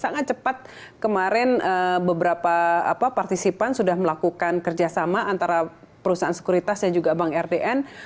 sangat cepat kemarin beberapa partisipan sudah melakukan kerjasama antara perusahaan sekuritas dan juga bank rdn